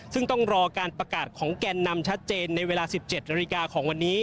ซึ่งต้องรอการประกาศของแก่นนำชัดเจนในเวลา๑๗นาฬิกาของวันนี้